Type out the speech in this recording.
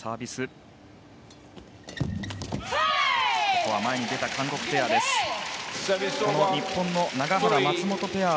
ここは前に出た韓国ペア。